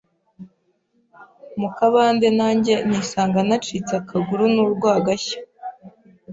mu kabande nanjye nisanga nacitse akaguru n’urwagashya.